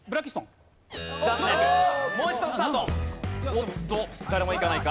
おっと誰もいかないか？